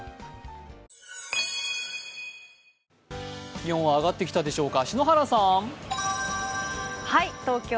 気温は上がってきたでしょうか。